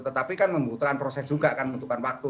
tetapi kan membutuhkan proses juga kan membutuhkan waktu